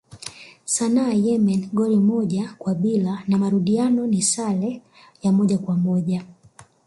Sanaa Yemen goli moja kwa bila na marudiano ni sare ya moja kwa moja